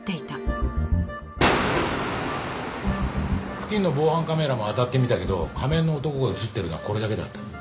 付近の防犯カメラも当たってみたけど仮面の男が映ってるのはこれだけだった。